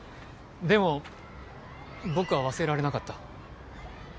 でも僕は忘れられなかった。